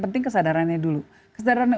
penting kesadarannya dulu kesadarannya